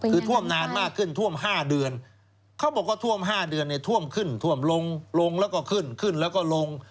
คือท่วมนานมากขึ้นท่วม๕เดือนเขาบอกว่าท่วม๕เดือนเนี่ยท่วมขึ้นท่วมลงแล้วก็ขึ้นขึ้นแล้วก็ลง